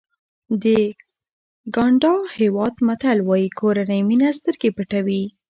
د ګاڼډا هېواد متل وایي کورنۍ مینه سترګې پټوي.